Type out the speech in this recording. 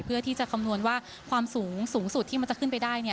เพื่อที่จะคำนวณว่าความสูงสูงสุดที่มันจะขึ้นไปได้